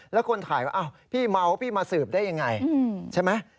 แล้วคนถ่ายว่าพี่เมาพี่มาสืบได้ยังไงใช่ไหม